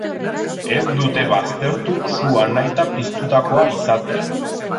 Ez dute baztertu sua nahita piztutakoa izatea.